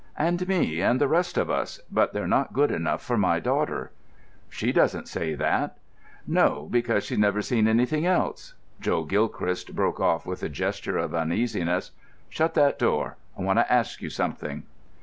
"And me, and the rest of us; but they're not good enough for my daughter." "She doesn't say that." "No, because she's never seen anything else——" Joe Gilchrist broke off with a gesture of uneasiness. "Shut that door; I want to ask you something."